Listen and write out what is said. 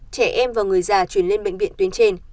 trẻ em và người già chuyển lên bệnh viện tuyến trên